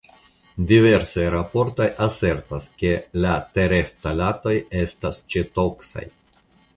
Diversaj raportoj asertas ke la tereftalatoj estas ĉetoksaj.